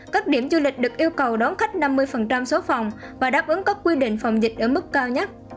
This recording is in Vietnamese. các điểm du lịch được yêu cầu đón khách năm mươi số phòng và đáp ứng các quy định phòng dịch ở mức cao nhất